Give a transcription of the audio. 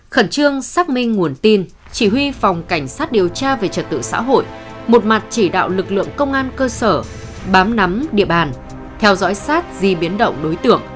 khẩn trương xác minh nguồn tin chỉ huy phòng cảnh sát điều tra về trật tự xã hội một mặt chỉ đạo lực lượng công an cơ sở bám nắm địa bàn theo dõi sát di biến động đối tượng